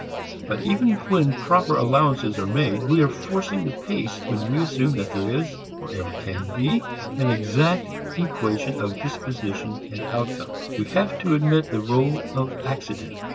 But even when proper allowances are made, we are forcing the pace when we assume that there is or ever can be an exact equation of disposition and outcome. We have to admit the rôle of accident.